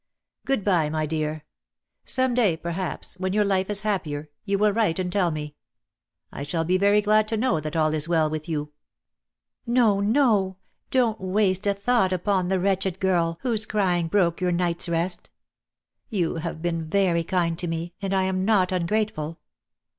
';■ "Good bye, my dear. Some day, perhaps, when your life is happier, you ^vill \vrite and tell me. I shall be very glad to know that all is well with you." "No, no, don't waste a thought upon the 4S DEAD LOVE HAS CHAINS. wretched girl whose crying broke your night's rest. You have been very kind to me, and I am not ungrateful.